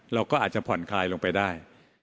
เราก็อาจจะผ่อนคลายลงไปได้